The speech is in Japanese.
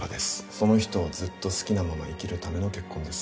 その人をずっと好きなまま生きるための結婚です